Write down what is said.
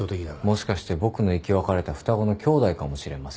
もしかして僕の生き別れた双子のきょうだいかもしれません。